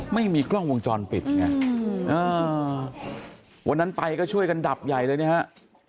ไม่มีกล้องวงจรปิดไงวันนั้นไปก็ช่วยกันดับใหญ่เลยนะฮะ